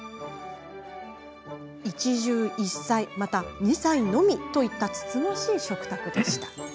一汁一菜また二菜のみといったつつましい食卓です。